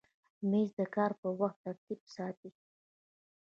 مېز د کار پر وخت ترتیب ساتي.